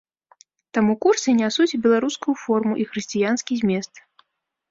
Таму курсы нясуць і беларускую форму і хрысціянскі змест.